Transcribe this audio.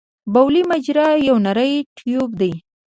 بولي مجرا یو نری ټیوب دی.